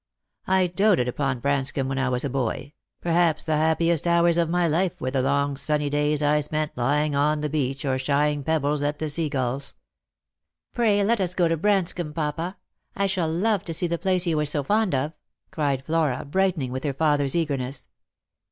I doated upon Branscomb when I was a boy; perhaps the happiest hours of my life were the long sunny days I spent lying on the beach or shying pebbles at the seagulls." " Pray let us go to Branscomb, papa. I shall love to see the place you were so fond of," cried Flora, brightening with her father's eagerness.